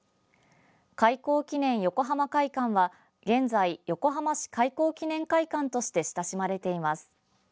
開港記念横浜会館は現在、横浜市開港記念会館として親しまれています。